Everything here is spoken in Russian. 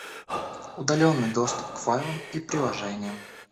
Удаленный доступ к файлам и приложениям